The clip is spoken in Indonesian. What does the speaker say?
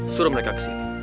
suruh mereka kesini